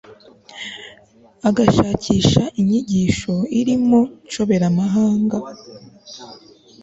agashakisha inyigisho iri mu nshoberamahanga